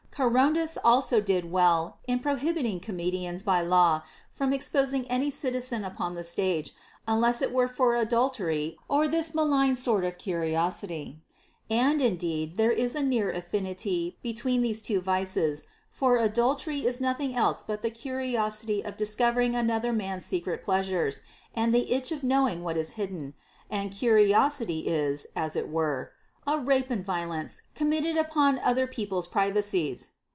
Charondas also did well in prohibiting comedians by law from exposing any citizen upon the stage, unless it were for adultery or this malignant sort of curi osity. And indeed there is a near affinity between these two vices, for adultery is nothing else but the curiosity of discovering another man's secret pleasures, and the itch of knowing what is hidden ; and curiosity is (as it were) a rape and violence committed upon other people's privacies.